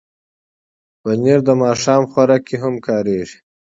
پنېر د ماښام خوراک کې هم کارېږي.